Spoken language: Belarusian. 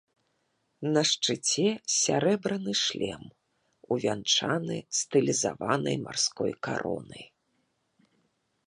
На шчыце сярэбраны шлем, увянчаны стылізаванай марской каронай.